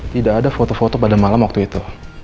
tidak ada foto foto pada malam waktu itu